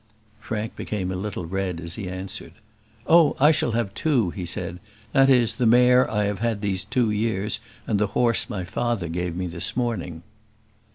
Frank became a little red as he answered, "Oh, I shall have two," he said; "that is, the mare I have had these two years, and the horse my father gave me this morning."